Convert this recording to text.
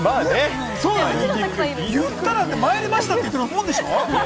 言ったら「参りました！」って言ってるようなもんでしょ。